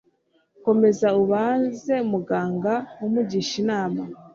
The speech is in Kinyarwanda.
Komeza ubaze muganga umugisha inama